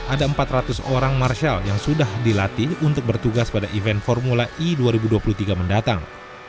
ada empat ratus orang marshal yang sudah dilatih untuk bertugas pada event formula e dua ribu dua puluh tiga mendatang